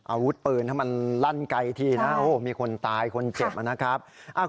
อาวุธปืนถ้ามันลั่นไกลทีนะโอ้โหมีคนตายคนเจ็บนะครับ